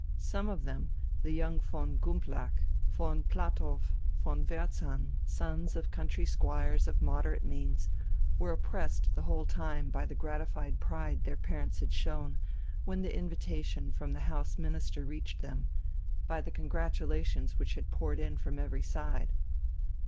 Some of them, the young von Gumplach, von Platow, and von Wehrzahn, sons of country squires of moderate means, were oppressed the whole time by the gratified pride their parents had shown when the invitation from the House Minister reached them, by the congratulations which had poured in from every side.